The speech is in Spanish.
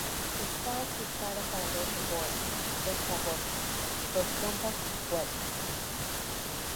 Está orquestada para dos oboes, dos fagotes, dos trompas y cuerdas.